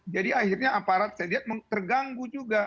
jadi akhirnya aparat saya lihat terganggu juga